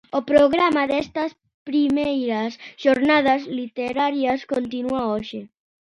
O programa destas primeiras xornadas literarias continúa hoxe.